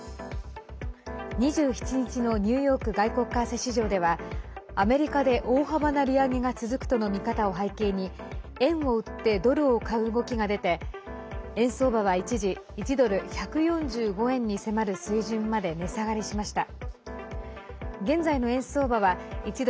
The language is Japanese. ２７日のニューヨーク外国為替市場ではアメリカで大幅な利上げが続くとの見方を背景に円を売ってドルを買う動きが出て円相場は一時１ドル＝１４５円に迫る水準まで値下がりしました。